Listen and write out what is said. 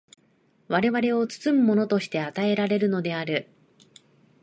我々を包むものとして与えられるのである。